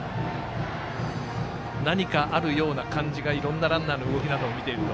何かあるような感じがいろんなランナーの動きを見ていると。